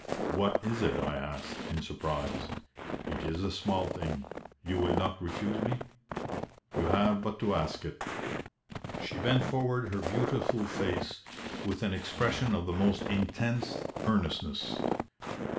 "What is it?" I asked, in surprise. "It is a small thing. You will not refuse me?" "You have but to ask it." She bent forward her beautiful face with an expression of the most intense earnestness.